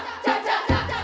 piam piam sepiam dek